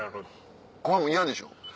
コバも嫌でしょ？